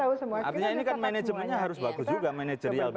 artinya ini kan manajemennya harus bagus juga manajerial